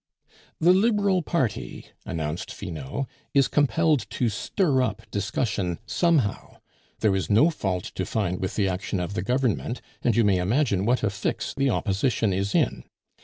"The Liberal party," announced Finot, "is compelled to stir up discussion somehow. There is no fault to find with the action of the Government, and you may imagine what a fix the Opposition is in.